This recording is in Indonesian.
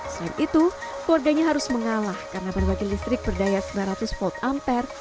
selain itu keluarganya harus mengalah karena berbagai listrik berdaya sembilan ratus volt ampere